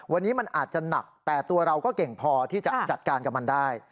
วันนี้มันอาจจะหนักแต่ตัวเราก็เก่งพอที่จะจัดการกับมันได้